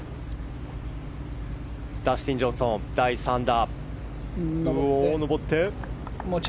ダスティン・ジョンソン第３打。